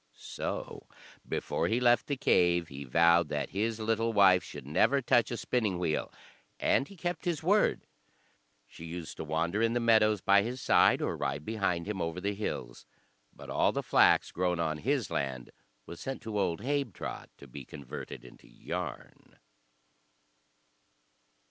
So before he left the cave he vowed that his little wife should never touch a spinning wheel, and he kept his word. She used to wander in the meadows by his side, or ride behind him over the hills, but all the flax grown on his land was sent to old Habetrot to be converted into yarn.